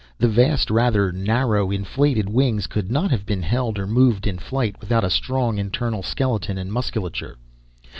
The vast, rather narrow, inflated wings could not have been held or moved in flight without a strong internal skeleton and musculature.